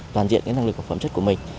toàn diện cái năng lực của phẩm chất của mình